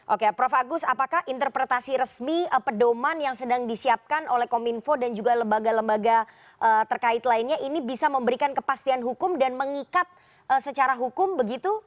oke prof agus apakah interpretasi resmi pedoman yang sedang disiapkan oleh kominfo dan juga lembaga lembaga terkait lainnya ini bisa memberikan kepastian hukum dan mengikat secara hukum begitu